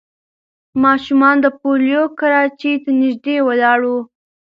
ماشومان د پولیو کراچۍ ته نږدې ولاړ وو.